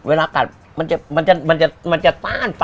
เวลากัดมันจะต้าน